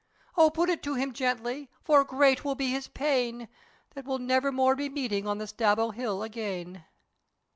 O put it to him gently, for great will be his pain, That we'll never more be meeting on the Staball hill again."